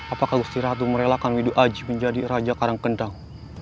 apakah gusti ratu merelakan wadu aji menjadi raja karangdendang